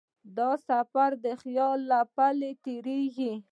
دا سفر د خیال له پله تېرېږي.